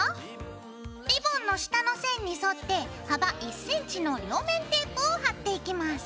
リボンの下の線に沿って幅１ｃｍの両面テープを貼っていきます。